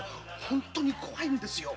本当に怖いんですよ。